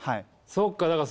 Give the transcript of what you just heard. そっか。